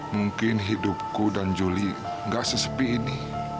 mungkin hidupku dan juli gak sesepi ini